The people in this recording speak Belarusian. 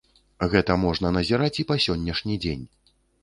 Гэта можна назіраць і па сённяшні дзень.